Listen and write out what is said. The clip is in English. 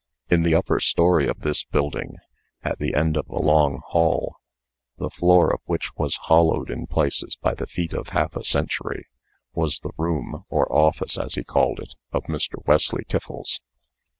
In the upper story of this building, at the end of a long, hall, the floor of which was hollowed in places by the feet of half a century, was the room, or office, as he called it, of Mr. Wesley Tiffles.